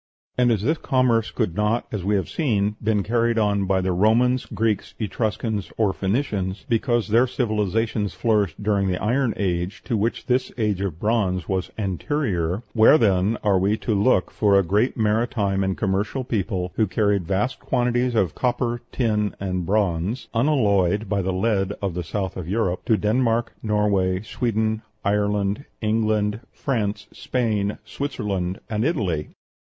And as this commerce could not, as we have seen, have been carried on by the Romans, Greeks, Etruscans, or Phoenicians, because their civilizations flourished during the Iron Age, to which this age of bronze was anterior, where then are we to look for a great maritime and commercial people, who carried vast quantities of copper, tin, and bronze (unalloyed by the lead of the south of Europe) to Denmark, Norway, Sweden, Ireland, England, France, Spain, Switzerland, and Italy?